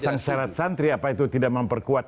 kalau memasang syarat santri apa itu tidak memperkuat